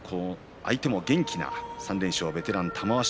相手も元気なベテランの玉鷲。